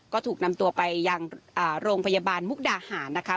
ก็ถูกนำตัวไปยังโรงพยาบาลมุกดาหารนะคะ